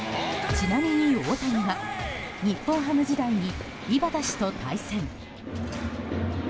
ちなみに大谷は日本ハム時代に井端氏と対戦。